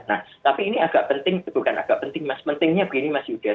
nah tapi ini agak penting bukan agak penting mas pentingnya begini mas yuda